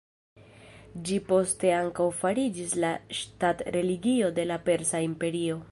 Ĝi poste ankaŭ fariĝis la ŝtat-religio de la Persa imperio.